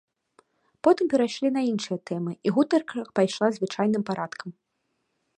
Потым перайшлі на іншыя тэмы і гутарка пайшла звычайным парадкам.